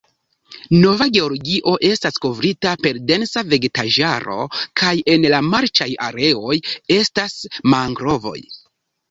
Nova Georgio estas kovrita per densa vegetaĵaro, kaj en la marĉaj areoj estas mangrovoj.